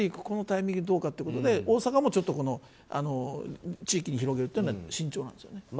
このタイミングはどうかということで大阪も地域に広げるというのは慎重なんですよね。